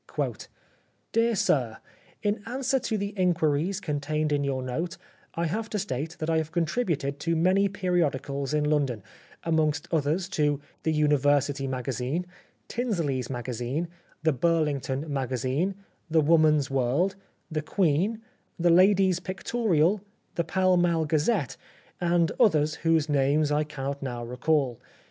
77 The Life of Oscar Wilde " Dear Sir, " In answer to the inquiries contained in your note I have to state that I contributed to many periodicals in London^ amongst others to The University Magazine, Tinsley's Magazine, The Burlington Magazine, The Woman's World, The Queen, The Lady's Pictorial, The Pall Mall Gazette, and others whose names I cannot now recall.